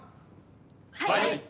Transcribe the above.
はい。